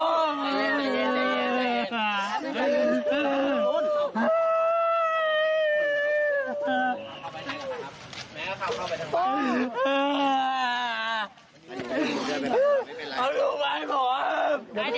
ไหนอีกไหมมั้ยมท์